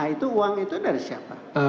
itu uang itu dari siapa